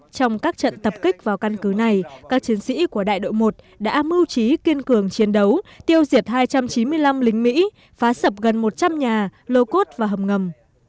trong các trận tập kích vào căn cứ này các chiến sĩ của đại đội một đã mưu trí kiên cường chiến đấu tiêu diệt hai trăm chín mươi năm lính mỹ phá sập gần một trăm linh nhà lô cốt và hầm ngầm